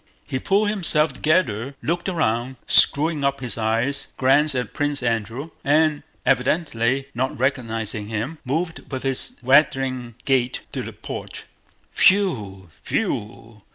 He pulled himself together, looked round, screwing up his eyes, glanced at Prince Andrew, and, evidently not recognizing him, moved with his waddling gait to the porch. "Whew... whew...